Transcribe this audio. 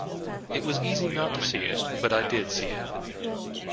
It was easy not to see it, but I did see it.